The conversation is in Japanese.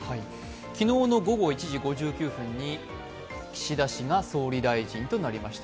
昨日の午後１時５９分に岸田氏が総理大臣となりました。